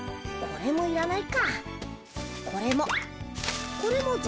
これもいらない。